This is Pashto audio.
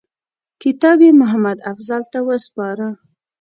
کتاب یې محمدافضل ته وسپاره.